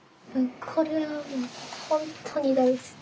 これは本当に大好き。